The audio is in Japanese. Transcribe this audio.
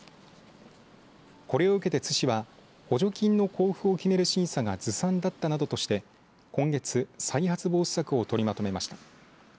これを受けて津市は補助金の交付を決める審査がずさんだったなどとして今月、再発防止策を取りまとめました。